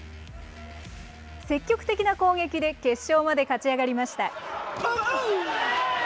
積極的な攻撃で決勝まで勝ち上がりました。